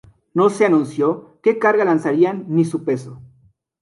No se anunció que carga lanzarían ni su peso.